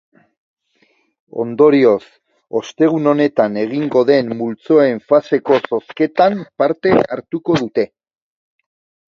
Ondorioz, ostegun honetan egingo den multzoen faseko zozketan parte hartuko dute.